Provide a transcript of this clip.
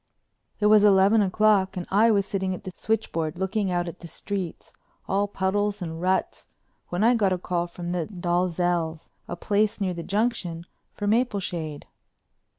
It was eleven o'clock and I was sitting at the switchboard looking out at the streets, all puddles and ruts, when I got a call from the Dalzells'—a place near the Junction—for Mapleshade.